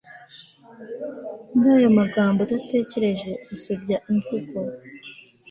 muri ayo magambo udatekereje, usebya imvugo